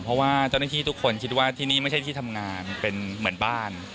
เพราะว่าเจ้าหน้าที่ทุกคนคิดว่าที่นี่ไม่ใช่ที่ทำงานเป็นเหมือนบ้าน